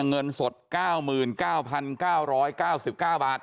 เงินสด๙๙๙๙๙๙บาท